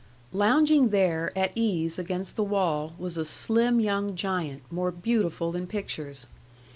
Lounging there at ease against the wall was a slim young giant, more beautiful than pictures.